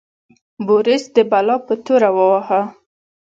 بوریس د بلا په توره وواهه.